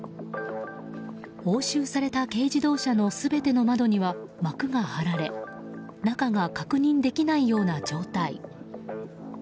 押収された軽自動車の全ての窓には幕が張られ中が確認できないような状態。